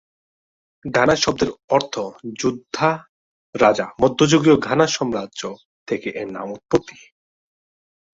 Ghana শব্দের অর্থ "যোদ্ধা রাজা" মধ্যযুগীয় ঘানা সাম্রাজ্য থেকে এ নামের উৎপত্তি।